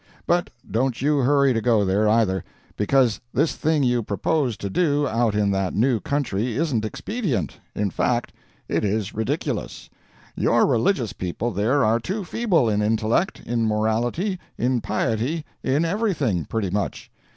But don't you hurry to go there, either; because this thing you propose to do out in that new country isn't expedient in fact, it is ridiculous. Your religious people there are too feeble, in intellect, in morality, in piety in everything, pretty much.